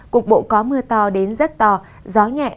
cục bộ có mưa to gió nhẹ